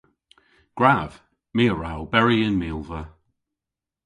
Gwrav. My a wra oberi yn milva.